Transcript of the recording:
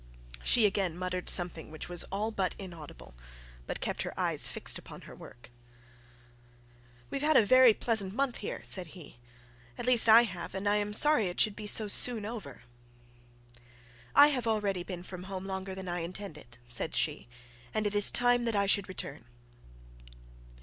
She again muttered something which was all but inaudible; but kept her eyes fixed upon her work. 'We have had a very pleasant month her,' said he; 'at least I have; and I am sorry it should be so soon over.' 'I have already been from home longer than I intended,' she said; 'and it is time that I should return.'